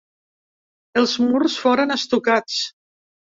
Els murs foren estucats.